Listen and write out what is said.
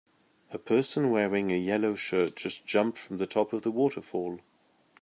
A person wearing a yellow shirt just jumped from the top of the waterfall.